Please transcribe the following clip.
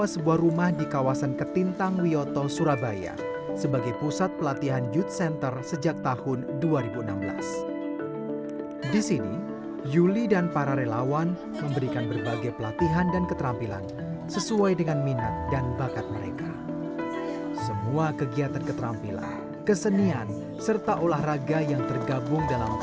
tak hanya menjangkau kota surabaya yayasan ini juga mengembangkan jaringannya dalam membantu anak anak di desa untuk memperoleh kesempatan hidup yang lebih baik